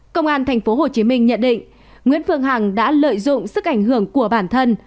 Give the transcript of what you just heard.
công an tp hcm nhận định nguyễn phương hằng đã lợi dụng sức ảnh hưởng của bản thân